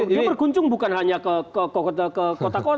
dia berkunjung bukan hanya ke kota kota